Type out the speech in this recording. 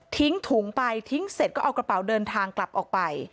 ถุงไปทิ้งเสร็จก็เอากระเป๋าเดินทางกลับออกไป